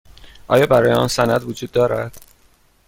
آیا برای آن سند وجود دارد؟